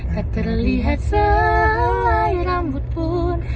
tak terlihat salah rambut pun